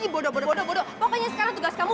bodoh bodo bodoh bodoh pokoknya sekarang tugas kamu